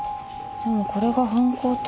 でもこれが犯行と。